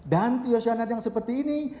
dan tyosianat yang seperti ini